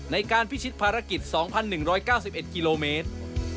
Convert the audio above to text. พิชิตภารกิจ๒๑๙๑กิโลเมตร